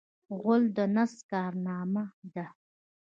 غول د نس کارنامه ده.